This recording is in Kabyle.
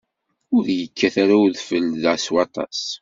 Ur yekkat ara udfel da s waṭas.